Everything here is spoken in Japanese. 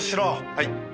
はい。